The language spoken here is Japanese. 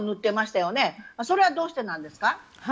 それはどうしてなんですか？